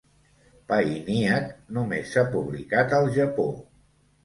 "Painiac" només s'ha publicat al Japó.